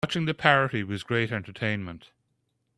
Watching the parody was great entertainment.